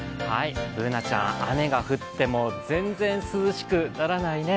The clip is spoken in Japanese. Ｂｏｏｎａちゃん、雨が降っても全然涼しくならないね。